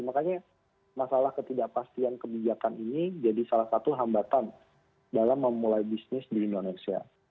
makanya masalah ketidakpastian kebijakan ini jadi salah satu hambatan dalam memulai bisnis di indonesia